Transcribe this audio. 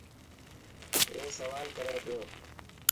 اي سوال ڪري پيو.